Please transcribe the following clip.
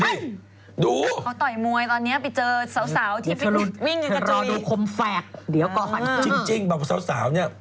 เดี๋ยวก่อนพิวจริงมันเห็นข้าวเนี้ย